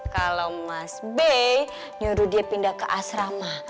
kalau mas b nyuruh dia pindah ke asrama